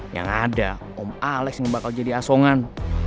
yang ada om alex yang bakal jadi asongan